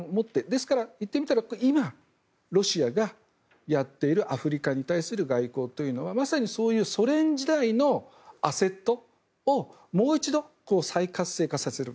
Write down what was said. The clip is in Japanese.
ですからいってみたら今、ロシアがやっているアフリカに対する外交というのはまさにそういうソ連時代のアセットをもう一度再活性化させる。